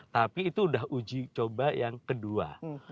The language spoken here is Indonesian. tapi itu udah uji coba yang kedua